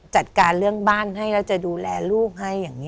จัดการเรื่องบ้านให้แล้วจะดูแลลูกให้